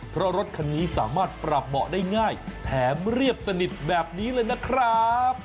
เพราะรถคันนี้สามารถปรับเบาะได้ง่ายแถมเรียบสนิทแบบนี้เลยนะครับ